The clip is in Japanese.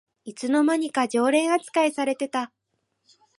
いつの間にか常連あつかいされてた